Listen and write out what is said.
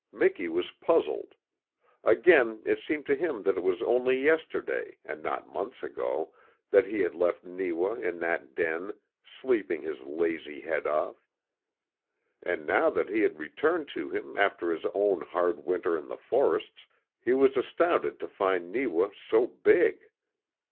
Miki was puzzled. Again it seemed to him that it was only yesterday, and not months ago, that he had left Neewa in that den, sleeping his lazy head off. And now that he had returned to him after his own hard winter in the forests he was astonished to find Neewa so big.